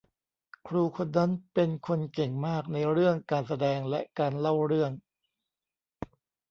ครูคนนั้นเป็นคนเก่งมากในเรื่องการแสดงและการเล่าเรื่อง